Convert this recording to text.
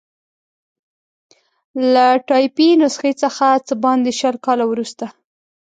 له ټایپي نسخې څخه څه باندې شل کاله وروسته.